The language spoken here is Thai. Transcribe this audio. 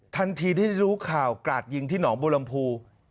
ทันทีที่รู้ข่าวกราดยิงที่หนองบูรมภู